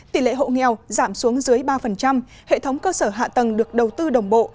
tỷ lệ hộ nghèo giảm xuống dưới ba hệ thống cơ sở hạ tầng được đầu tư đồng bộ